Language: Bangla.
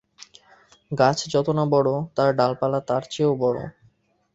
গাছ যত-না বড়, তার ডালপালা তার চেয়েও বড়।